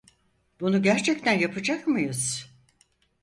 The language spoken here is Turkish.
Bunu gerçekten yapacak mıyız?